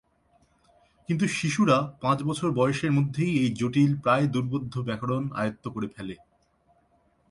কিন্তু শিশুরা পাঁচ বছর বয়সের মধ্যেই এই জটিল, প্রায়-দুর্বোধ্য ব্যাকরণ আয়ত্ত করে ফেলে।